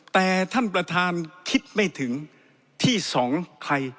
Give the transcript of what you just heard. แต่ท่านประธานคิดไม่ถึงที่สองใคร